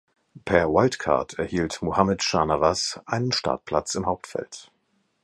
Per Wildcard erhielt Muhammad Shah Nawaz einen Startplatz im Hauptfeld.